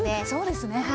そうですね。